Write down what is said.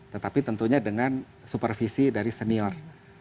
tetapi tentunya dengan supervisi dari senior